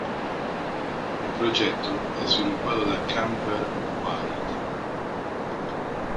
Il progetto è sviluppato da Campbell Wild.